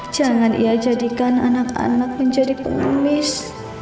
jangan ia jadikan anak anak menjadi pengemis